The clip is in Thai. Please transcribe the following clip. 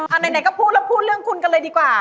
ไหนก็พูดแล้วพูดเรื่องคุณกันเลยดีกว่า